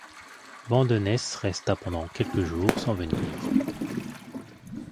Vandenesse resta pendant quelques jours sans venir.